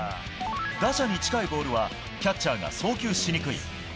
打者に近いボールはキャッチャーが送球しにくい。